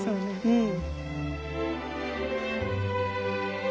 うん。